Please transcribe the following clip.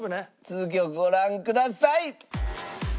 続きをご覧ください。